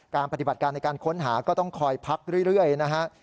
ปฏิบัติการในการค้นหาก็ต้องคอยพักเรื่อยนะฮะ